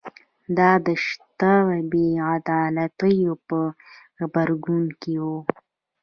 دا د شته بې عدالتیو په غبرګون کې و